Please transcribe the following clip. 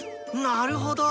なるほど！